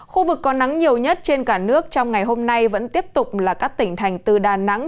khu vực có nắng nhiều nhất trên cả nước trong ngày hôm nay vẫn tiếp tục là các tỉnh thành từ đà nẵng